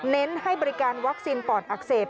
เน้นให้บริการวัคซีนปอดอักเสบ